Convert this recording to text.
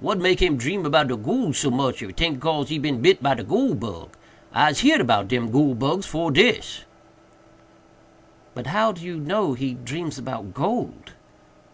What make him dream 'bout de goole so much, if 'taint cause he bit by de goole bug? Ise heerd 'bout dem goole bugs fore dis." "But how do you know he dreams about gold?"